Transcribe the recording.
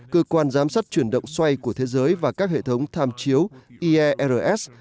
cơ quan giám sát chuyển động xoay của thế giới và các hệ thống tham chiếu iers